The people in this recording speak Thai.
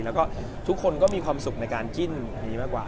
แล้วก็ทุกคนก็มีความสุขในการจิ้นอันนี้มากกว่า